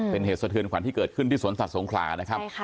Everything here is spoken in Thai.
เป็นเหตุสะเทือนขวัญที่เกิดขึ้นที่สวนสัตว์สงขลานะครับ